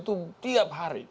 demonstrasi itu tiap hari